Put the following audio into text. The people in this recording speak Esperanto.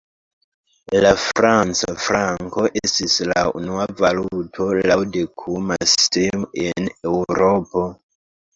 La franca franko estis la unua valuto laŭ dekuma sistemo en Eŭropo.